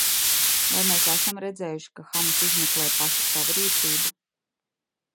Vai mēs esam redzējuši, ka Hamas izmeklē paši savu rīcību?